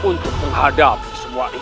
untuk menghadapi semua ini